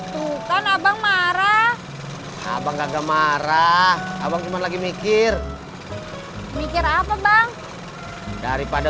bukan abang marah abang kagak marah abang cuma lagi mikir mikir apa bang daripada